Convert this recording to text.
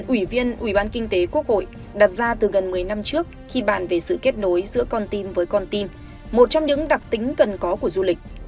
ủy viên ủy ban kinh tế quốc hội đặt ra từ gần một mươi năm trước khi bàn về sự kết nối giữa con tim với con tim một trong những đặc tính cần có của du lịch